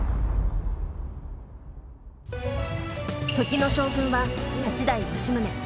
時の将軍は八代・吉宗。